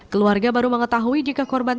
keluarga baru mengetahui jika korban